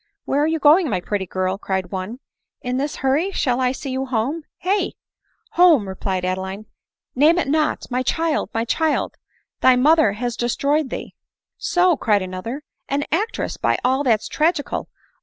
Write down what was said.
" Where are you going, my pretty girl," cried one, "in this hurry? shall I see you home? hey!" " Home !" replied Adeline; " name it not. My child ! my child ! thy mother has destroyed thee." " So !" cried another, "an actress, by all that 's tragi cal